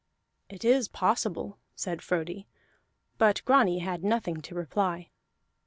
"It is possible," said Frodi, but Grani had nothing to reply.